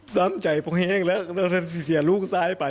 ซ้ำใจแบบแห้งแล้วต้องจะเสียลูกซ่านไป